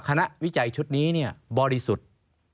คณะวิจัยชุดนี้เนี่ยบริสุทธิ์